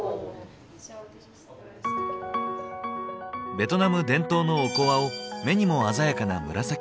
ベトナム伝統のおこわを目にも鮮やかな紫色に。